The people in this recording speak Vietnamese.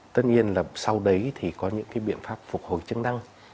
tất nhiên là sau đấy thì có những cái biện pháp phục hồi chức năng